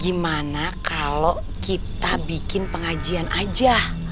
gimana kalau kita bikin pengajian aja